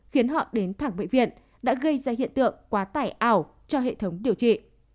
khiến họ đến thẳng bệnh viện đã gây ra hiện tượng quá tải ảo cho hệ thống điều trị